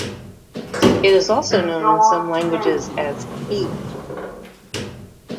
It is also known in some languages as He.